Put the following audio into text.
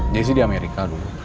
jessy di amerika dulu